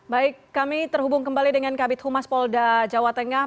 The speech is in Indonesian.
baik kami terhubung kembali dengan kabit humas polda jawa tengah